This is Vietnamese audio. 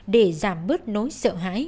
để giảm bước nối sợ hãi